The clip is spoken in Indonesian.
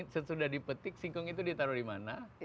sesudah dipetik singkong itu ditaruh dimana